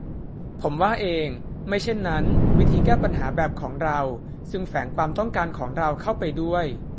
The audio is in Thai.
ผมว่าเอง : ไม่เช่นนั้น 'วิธีแก้ปัญหาแบบของเรา-ซึ่งแฝงความต้องการของเราเข้าไปด้วย